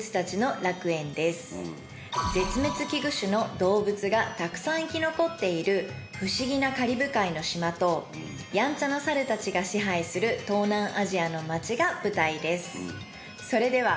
絶滅危惧種の動物がたくさん生き残っている不思議なカリブ海の島とやんちゃなサルたちが支配する東南アジアの街が舞台です。